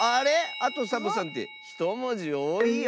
「あとサボさん」って１もじおおいよ。